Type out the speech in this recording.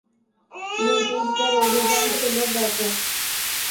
ব্রিটিশদের অভিযান ছিল ব্যাপক।